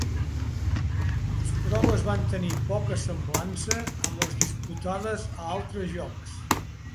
Les proves van tenir poca semblança amb les disputades a altres jocs.